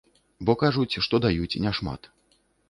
Бо кажуць, што даюць не шмат.